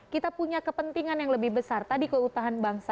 kita punya kepentingan yang lebih besar tadi keutuhan bangsa